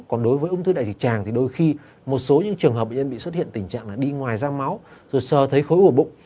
còn đối với ung thư đại dịch tràng thì đôi khi một số những trường hợp bệnh nhân bị xuất hiện tình trạng là đi ngoài ra máu rồi sờ thấy khối ổ bụng